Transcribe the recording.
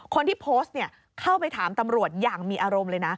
คนที่โพสต์เข้าไปถามตำรวจอย่างมีอารมณ์เลยนะ